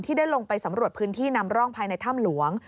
ได้ลงไปสำรวจพื้นที่นำร่องภายในถ้ำหลวง